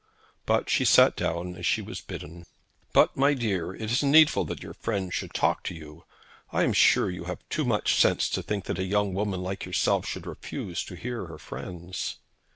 But she sat down as she was bidden. 'But, my dear, it is needful that your friends should talk to you. I am sure that you have too much sense to think that a young woman like yourself should refuse to hear her friends.'